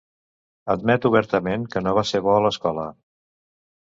Admet obertament que no va ser bo a l'escola.